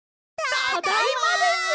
ただいまです！